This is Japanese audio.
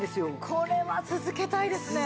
これは続けたいですね。